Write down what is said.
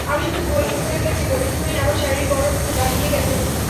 আমি শুধু বোলিং করে গেছি, বোলিং করেই আমার শারীরিক গড়ন দাঁড়িয়ে গেছে।